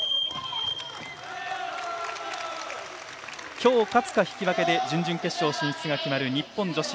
今日、勝つか引き分けで準々決勝進出が決まる日本女子。